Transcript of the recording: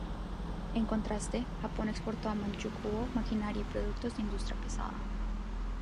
En contraste, Japón exportó a Manchukuo maquinaria y productos de Industria pesada.